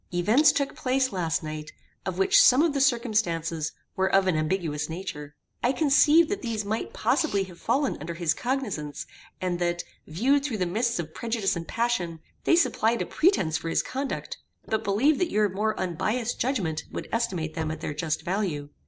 Events took place last night of which some of the circumstances were of an ambiguous nature. I conceived that these might possibly have fallen under his cognizance, and that, viewed through the mists of prejudice and passion, they supplied a pretence for his conduct, but believed that your more unbiassed judgment would estimate them at their just value.